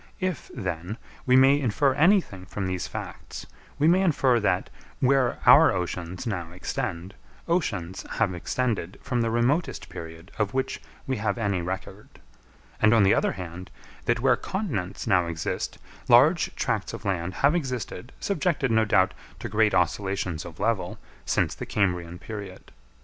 If, then, we may infer anything from these facts, we may infer that, where our oceans now extend, oceans have extended from the remotest period of which we have any record; and on the other hand, that where continents now exist, large tracts of land have existed, subjected, no doubt, to great oscillations of level, since the Cambrian period.